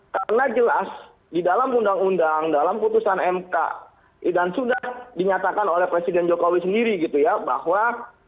karena jelas di dalam undang undang dalam putusan mk dan sudah dinyatakan oleh presiden jokowi sendiri gitu ya bahwa